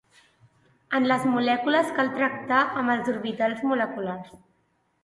En les molècules cal tractar amb els orbitals moleculars.